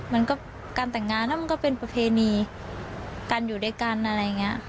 มันก็การแต่งงานมันก็เป็นประเพณีการอยู่ด้วยกันอะไรอย่างนี้